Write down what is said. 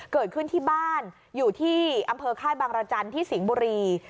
เกิดขึ้นที่บ้านอยู่ที่อำเภอค่ายบางรจันทร์ที่สิงห์บุรี